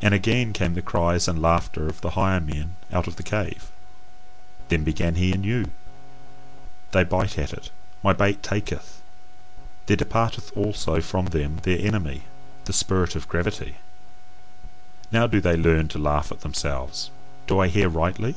And again came the cries and laughter of the higher men out of the cave: then began he anew: "They bite at it, my bait taketh, there departeth also from them their enemy, the spirit of gravity. Now do they learn to laugh at themselves: do I hear rightly?